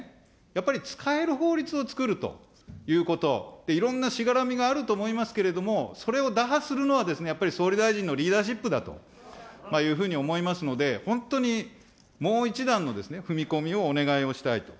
やっぱり使える法律を作るということ、いろんなしがらみがあると思いますけれども、それを打破するのは、やっぱり総理大臣のリーダーシップだというふうに思いますので、本当にもう一段の踏み込みをお願いをしたいと。